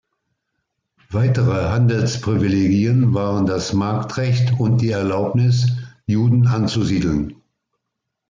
Weitere Handelsprivilegien waren das Marktrecht und die Erlaubnis, Juden anzusiedeln.